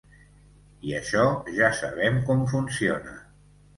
I això ja sabem com funciona.